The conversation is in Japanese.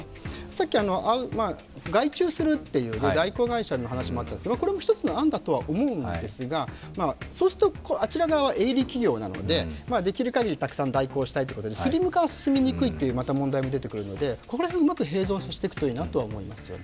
さっき外注するという、代行会社の話もありましたが、これも一つの案だとは思うんですが、あちら側は営利企業なのでできる限りたくさん代行したいということでスリム化は進みにくいという問題もまた出てくるのでここら辺うまく並走していくといいなと思います。